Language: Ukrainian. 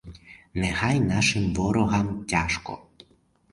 Нехай нашим ворогам тяжко!